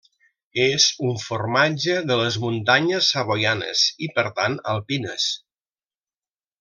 És un formatge de les muntanyes savoianes i per tant alpines.